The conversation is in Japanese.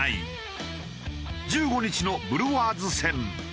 １５日のブルワーズ戦。